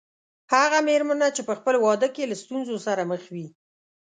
هغه مېرمنه چې په خپل واده کې له ستونزو سره مخ وي.